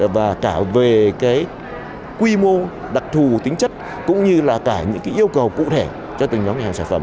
và cả về quy mô đặc thù tính chất cũng như là cả những yêu cầu cụ thể cho tình doanh hàng sản phẩm